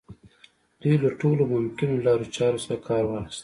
دوی له ټولو ممکنو لارو چارو څخه کار واخيست.